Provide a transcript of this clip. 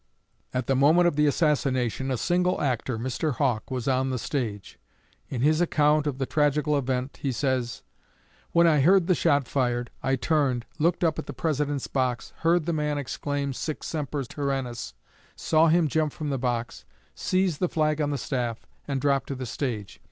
At the moment of the assassination a single actor, Mr. Hawk, was on the stage. In his account of the tragical event he says: "When I heard the shot fired, I turned, looked up at the President's box, heard the man exclaim, 'Sic semper tyrannis!' saw him jump from the box, seize the flag on the staff, and drop to the stage.